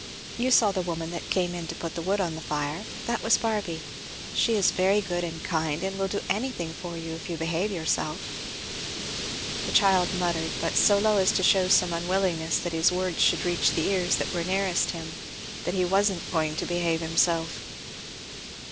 "You saw the woman that came in to put wood on the fire that was Barby she is very good and kind and will do anything for you if you behave yourself." The child muttered, but so low as to shew some unwillingness that his words should reach the ears that were nearest him, that "he wasn't going to behave himself."